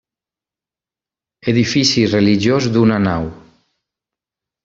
Edifici religiós d'una nau.